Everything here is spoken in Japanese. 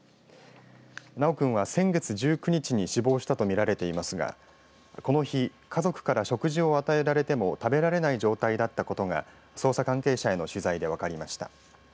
修君は先月１９日に死亡したと見られていますがこの日家族から食事を与えられても食べられない状態だったことが捜査関係者への取材で分かりました。